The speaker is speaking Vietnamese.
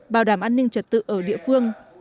bảo đảm an ninh trật tự ở địa phương